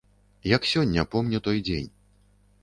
Як сёння помню той дзень.